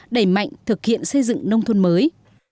đẩy mạnh thực hiện xây dựng nông thuần mới